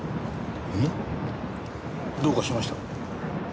どうかしました？